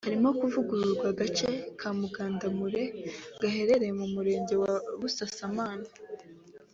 harimo kuvugurura agace ka Mugandamure gaherereye mu Murenge wa Busasamana